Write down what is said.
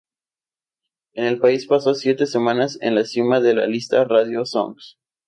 En el país pasó siete semanas en la cima de la lista Radio Songs.